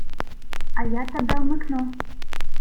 — А я тебе вмикну.